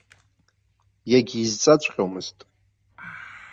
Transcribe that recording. Иагьизҵаҵәҟьомызт.